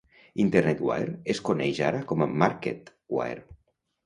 Internet Wire es coneix ara com Marketwire.